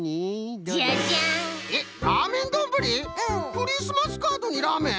クリスマスカードにラーメン？